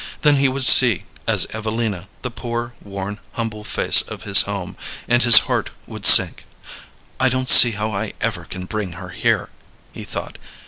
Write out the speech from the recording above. Then he would see, as Evelina, the poor, worn, humble face of his home, and his heart would sink. "I don't see how I ever can bring her here," he thought.